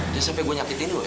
udah sampe gue nyakitin lo ya